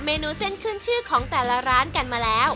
นูเส้นขึ้นชื่อของแต่ละร้านกันมาแล้ว